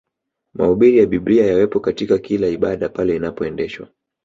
Mahubiri ya Biblia yawepo katika kila ibada pale inapoendeshwa